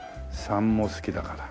３も好きだから。